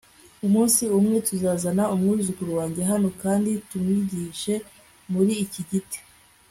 Umunsi umwe tuzazana umwuzukuru wanjye hano kandi tumwigishe muri iki giti